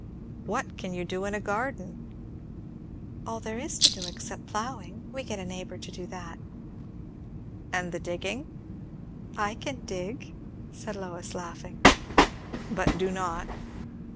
"What can you do in a garden?" "All there is to do, except ploughing. We get a neighbour to do that." "And the digging?" "I can dig," said Lois, laughing. "But do not?"